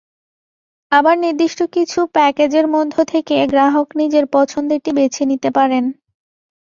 আবার নির্দিষ্ট কিছু প্যাকেজের মধ্য থেকে গ্রাহক নিজের পছন্দেরটি বেছে নিতে পারেন।